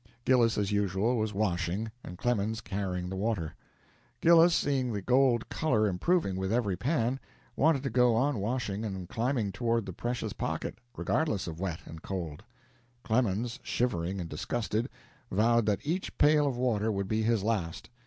Gillis, as usual, was washing, and Clemens carrying the water. Gillis, seeing the gold "color" improving with every pan, wanted to go on washing and climbing toward the precious pocket, regardless of wet and cold. Clemens, shivering and disgusted, vowed that each pail of water would be his last.